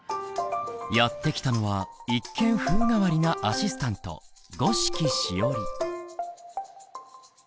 やって来たのは一見風変わりなアシスタント五色しおり。